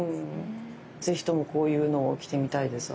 是非ともこういうのを着てみたいです。